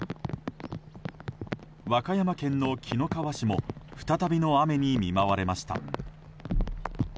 和歌山県の紀の川市も再びの雨に見舞われました。